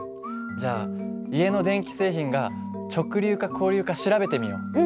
じゃあ家の電気製品が直流か交流か調べてみよう。